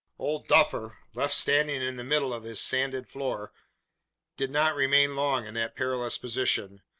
"Old Duffer," left standing in the middle of his sanded floor, did not remain long in that perilous position.